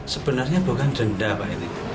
sebenarnya bukan denda pak ini